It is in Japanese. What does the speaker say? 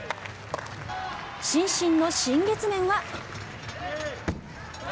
伸身の新月面は。